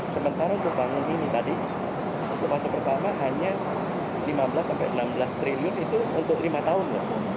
sementara untuk bangun ini tadi untuk fase pertama hanya lima belas sampai enam belas triliun itu untuk lima tahun